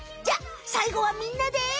じゃあさいごはみんなで。